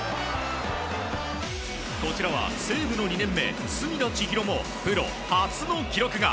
こちらは西武の２年目隅田知一郎もプロ初の記録が。